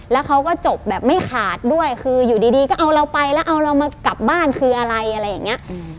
แล้วเขาก็จบแบบไม่ขาดด้วยคืออยู่ดีก็เอาเราไปแล้วเอาเรามากลับบ้านคืออะไรอะไรอย่างนี้